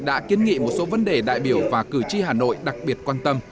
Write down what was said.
đã kiến nghị một số vấn đề đại biểu và cử tri hà nội đặc biệt quan tâm